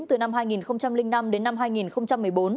từ năm hai nghìn năm hai nghìn một mươi bốn